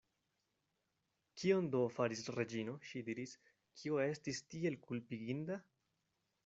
Kion do faris Reĝino, ŝi diris, kio estis tiel kulpiginda?